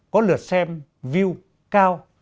có lượt xem view cao